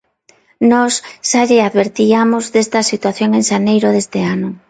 Nós xa lle advertiamos desta situación en xaneiro deste ano.